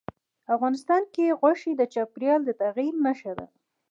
افغانستان کې غوښې د چاپېریال د تغیر نښه ده.